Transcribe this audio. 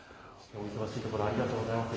お忙しいところありがとうございます。